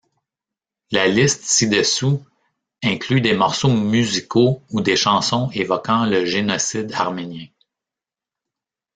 La liste ci-dessous inclut des morceaux musicaux ou des chansons évoquant le génocide arménien.